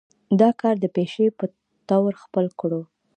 دا کار د پيشې پۀ طور خپل کړو